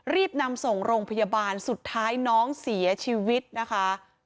รีบนำส่งโรงพยาบาลสุดท้ายน้องเสียชีวิตนะคะ